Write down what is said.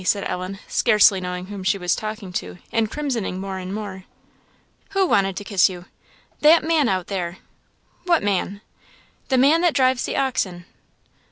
said Ellen, scarce knowing whom she was talking to, and crimsoning more and more. "Who wanted to kiss you?" "That man out there." "What man?" "The man that drives the oxen."